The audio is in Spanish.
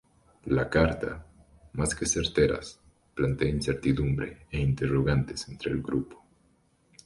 La carta, más que certezas, plantea incertidumbre e interrogantes entre el grupo.